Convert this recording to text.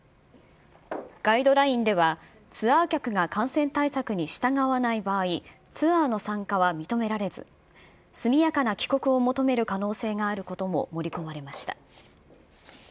ガイドラインでは、ツアー客が感染対策に従わない場合、ツアーの参加は認められず、速やかな帰国を求める可能性があることも盛り込まれました。